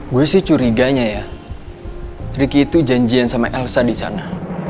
gue sih curiganya ya riki itu janjian sama elsa disana